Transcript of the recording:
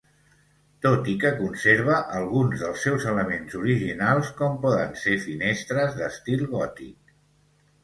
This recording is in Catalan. Tot i que conserva alguns dels seus elements originals com poden ser finestres d'estil gòtic.